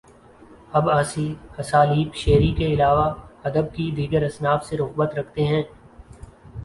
آپ اسالیبِ شعری کے علاوہ ادب کی دیگر اصناف سے رغبت رکھتے ہیں